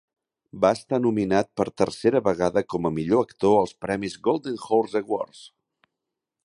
Va estar nominat per tercera vegada com a millor actor als premis Golden Horse Awards.